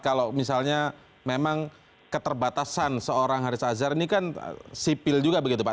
kalau misalnya memang keterbatasan seorang haris azhar ini kan sipil juga begitu pak